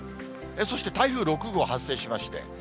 そして台風６号発生しまして。